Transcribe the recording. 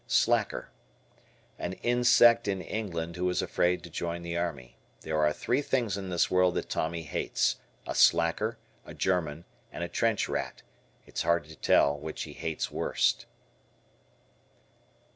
Slacker. An insect in England who is afraid to join the Army. There are three things in this world that Tommy hates: a slacker, a German; and a trench rat; it's hard to tell which he hates worst.